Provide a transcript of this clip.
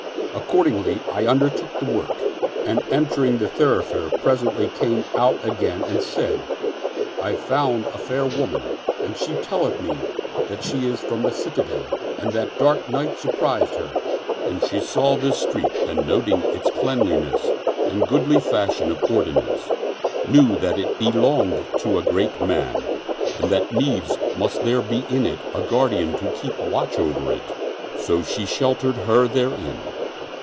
Accordingly, I under took the work and entering the thoroughfare presently came out again and said, " I have found a fair woman and she telleth me that she is from the Citadel and that dark night surprised her and she saw this street and noting its cleanness and goodly fashion of ordinance, knew that it be longed to a great man and that needs must there be in it a guardian to keep watch over it, so she sheltered her therein."